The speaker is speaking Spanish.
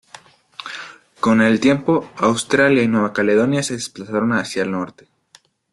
Con el tiempo, Australia y Nueva Caledonia se desplazaron hacia el norte.